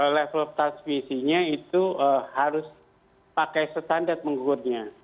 level transmisinya itu harus pakai standar menghukurnya